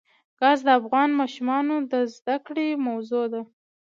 ګاز د افغان ماشومانو د زده کړې موضوع ده.